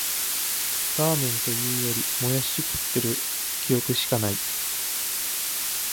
ラーメンというより、もやし食ってる記憶しかない